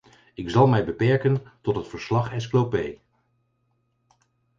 Ik zal mij beperken tot het verslag-Esclopé.